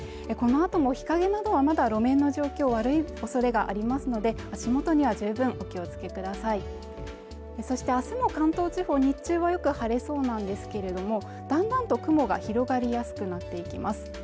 このあとも日陰などはまだ路面の状況悪いおそれがありますので足元には十分お気をつけくださいそしてあすの関東地方日中はよく晴れそうなんですけれどもだんだんと雲が広がりやすくなっていきます